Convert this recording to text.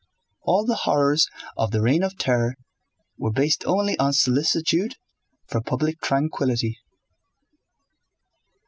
All the horrors of the reign of terror were based only on solicitude for public tranquillity.